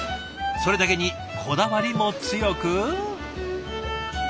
それだけにこだわりも強く。